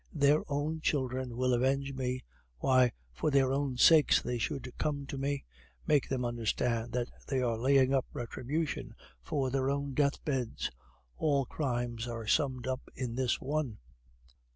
Their own children will avenge me. Why, for their own sakes they should come to me! Make them understand that they are laying up retribution for their own deathbeds. All crimes are summed up in this one....